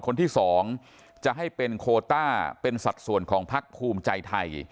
คนที่๒จะให้เป็นโคต้าเป็นสัดส่วนของพักภูมิใจไทย